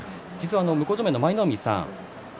向正面の舞の海さん